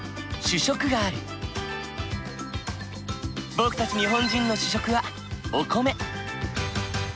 僕たち日本人の主食はお米。